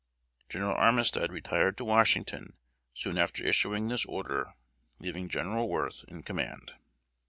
General Armistead retired to Washington soon after issuing this order, leaving General Worth in command.